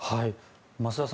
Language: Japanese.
増田さん